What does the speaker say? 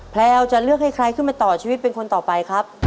แพลวจะเลือกให้ใครขึ้นมาต่อชีวิตเป็นคนต่อไปครับ